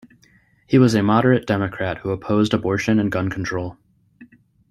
He was a moderate Democrat who opposed abortion and gun control.